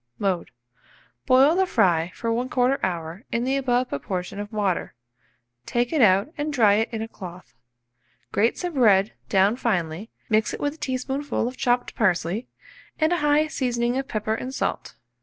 Mode. Boil the fry for 1/4 hour in the above proportion of water, take it out and dry it in a cloth; grate some bread down finely, mix with it a teaspoonful of chopped parsley and a high seasoning of pepper and salt.